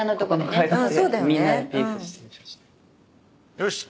よし。